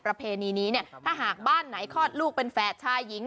ประเพณีนี้เนี่ยถ้าหากบ้านไหนคลอดลูกเป็นแฝดชายหญิง